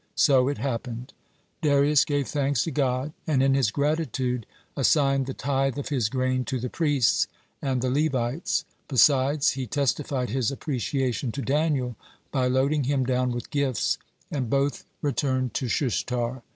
So it happened. Darius gave thanks to God, and in his gratitude assigned the tithe of his grain to the priests and the Levites. Besides, he testified his appreciation to Daniel by loading him down with gifts, and both returned to Shushtar.